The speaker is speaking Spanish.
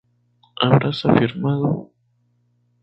habrás afirmado